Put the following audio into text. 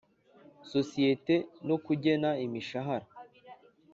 sosiyete no kugena imishahara